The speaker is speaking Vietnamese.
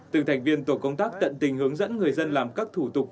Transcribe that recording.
từng thành viên tổ công tác tận tình hướng dẫn người dân làm các thủ tục